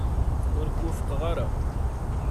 Ur k-wufqeɣ ara.